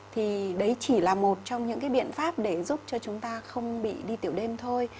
thì đấy chỉ là một trong những cái biện pháp để giúp cho chúng ta không bị đi tiểu đêm thôi